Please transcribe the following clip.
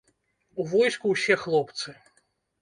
У войску ўсе хлопцы.